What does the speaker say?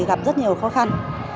gặp rất nhiều khó khăn